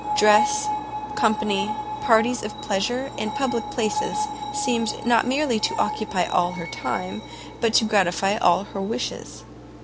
Dress, company, parties of pleasure, and public places, seemed not merely to occupy all her time; but to gratify all her wishes.